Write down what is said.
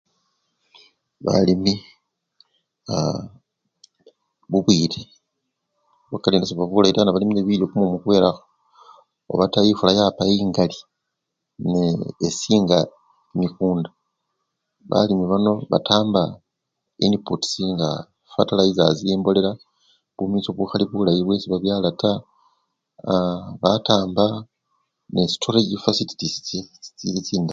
Balimi aaa bubwile lwakanile sebuba bulayi taa nebalimile bilyo kumumu kwelakho obata efula yapa engali ne-eshinga kimikunda, balimi bano batamba inputs nga fatalisasi emboleya, bumicho bukhali bulayi bwe khubyala taa, aaa batamba nestorejjii facilitisii che chichili chindayi.